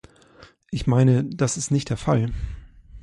Ich meine, das ist nicht der Fall.